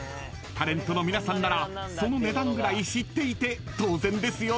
［タレントの皆さんならその値段ぐらい知っていて当然ですよね］